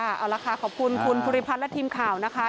เอาละค่ะขอบคุณคุณภูริพัฒน์และทีมข่าวนะคะ